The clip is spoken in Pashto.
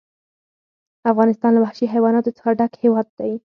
افغانستان له وحشي حیواناتو څخه ډک هېواد دی.